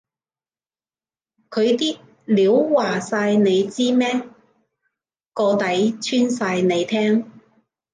佢啲料話晒你知咩？個底穿晒你聽？